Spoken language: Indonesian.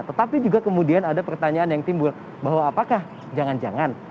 tetapi juga kemudian ada pertanyaan yang timbul bahwa apakah jangan jangan